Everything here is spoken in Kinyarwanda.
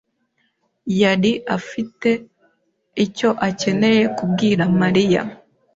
yari afite icyo akeneye kubwira Mariya.